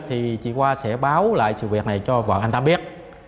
thì chị khoa sẽ báo lại sự việc này cho vợ anh tám biết